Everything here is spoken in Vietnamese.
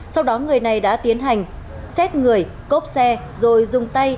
sau đó người này đã tiến hành xét người cốp xe rồi dùng tay